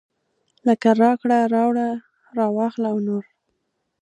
لکه راکړه راوړه راواخله او نور.